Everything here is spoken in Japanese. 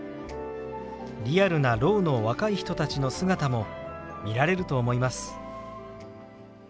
リアルなろうの若い人たちの姿も見られると思います。